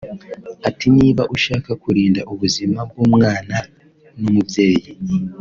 Ati “Niba ushaka kurinda ubuzima bw’umwana n’umubyeyi